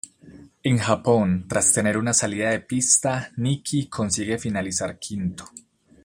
En Japón, tras tener una salida de pista, Nicky consigue finalizar quinto.